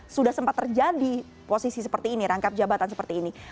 sudah sempat terjadi posisi seperti ini rangkap jabatan seperti ini